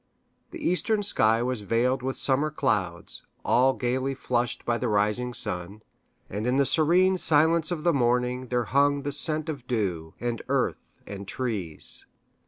The eastern sky was veiled with summer clouds, all gayly flushed by the rising sun, and in the serene silence of the morning there hung the scent of dew, and earth, and trees.